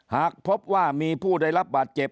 หากพบว่ามีผู้ได้รับบาดเจ็บ